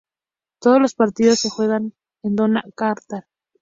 Todos los partidos se jugaron en Doha, Qatar.